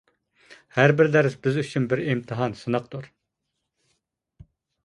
ھەربىر دەرس بىز ئۈچۈن بىر ئىمتىھان، سىناقتۇر.